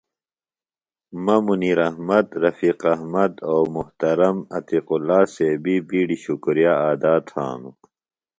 مہ منیراحمد ، رفیق احمد او محترم عتیق ﷲ صیبی بیڈیۡ شکریہ ادا تھانوࣿ ۔